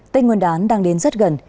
tên nguồn đán đang đến rất gần